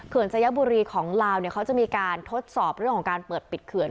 สยบุรีของลาวเนี่ยเขาจะมีการทดสอบเรื่องของการเปิดปิดเขื่อน